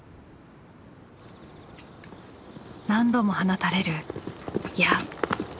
何度も放たれる矢。